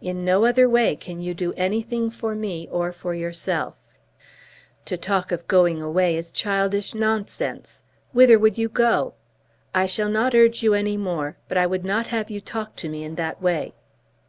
In no other way can you do anything for me or for yourself. To talk of going away is childish nonsense. Whither would you go? I shall not urge you any more, but I would not have you talk to me in that way."